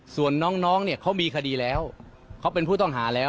ส่วนน้องเนี่ยเขามีคดีแล้วเขาเป็นผู้ต้องหาแล้ว